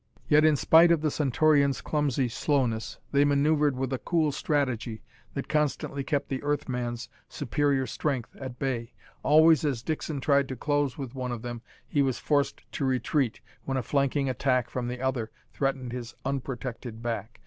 Yet, in spite of the Centaurians' clumsy slowness, they maneuvered with a cool strategy that constantly kept the Earth man's superior strength at bay. Always as Dixon tried to close with one of them he was forced to retreat when a flanking attack from the other threatened his unprotected back.